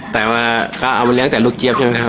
แต่ว่าก็เอามาเลี้ยงแต่ลูกเจี๊ยบใช่ไหมครับ